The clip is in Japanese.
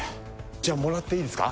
じゃあもらっていいですか？